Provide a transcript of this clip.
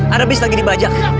ada bis lagi dibajak